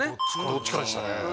どっちかでしたね